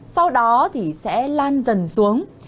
sau đó thì sẽ lan dần xuống